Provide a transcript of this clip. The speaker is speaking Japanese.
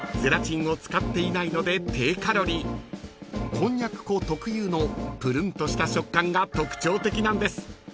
［こんにゃく粉特有のぷるんとした食感が特徴的なんです］